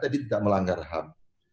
tadi tidak melanggar ham